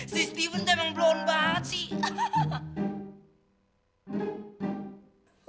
si steven emang pelan banget sih